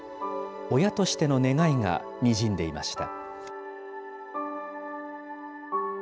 親としての願いがにじんでいました。